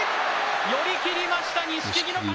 寄り切りました、錦木の勝ち。